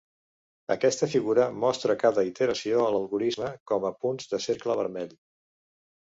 Aquesta figura mostra cada iteració de l'algorisme com a punts de cercle vermell.